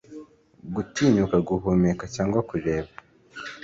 Gutinyuka guhumeka cyangwa kureba